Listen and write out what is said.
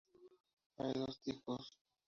Hay dos tipos.